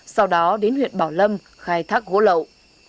sau đó đến huyện bảo lâm khai thác gỗ lậu